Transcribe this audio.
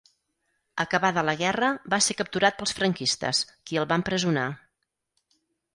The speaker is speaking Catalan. Acabada la guerra, va ser capturat pels franquistes, qui el va empresonar.